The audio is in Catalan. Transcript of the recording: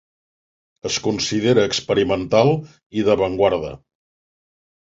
Es considera experimental i d'avantguarda.